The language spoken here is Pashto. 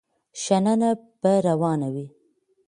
شننه به روانه وي.